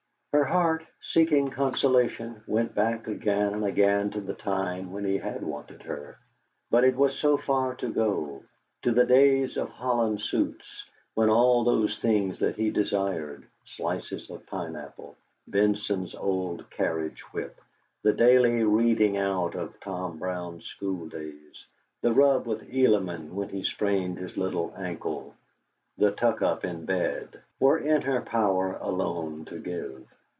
Her heart, seeking consolation, went back again and again to the time when he had wanted her; but it was far to go, to the days of holland suits, when all those things that he desired slices of pineapple, Benson's old carriage whip, the daily reading out of "Tom Brown's School days," the rub with Elliman when he sprained his little ankle, the tuck up in bed were in her power alone to give.